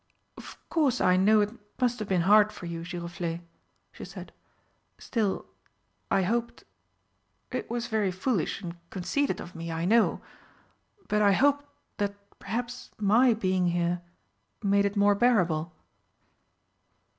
"Of course I know it must have been hard for you, Giroflé," she said, "still, I hoped it was very foolish and conceited of me, I know but I hoped that perhaps my being here made it more bearable."